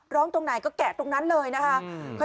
ตรงไหนก็แกะตรงนั้นเลยนะคะ